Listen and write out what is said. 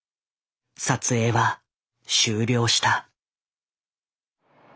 撮影は終了した。